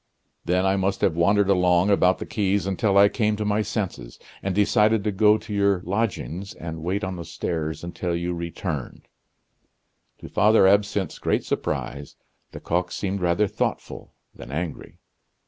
Then I must have wandered about along the quays until I came to my senses, and decided to go to your lodgings and wait on the stairs until you returned." To Father Absinthe's great surprise, Lecoq seemed rather thoughtful than angry.